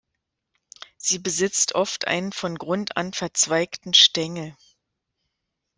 Sie besitzt oft einen von Grund an verzweigten Stängel.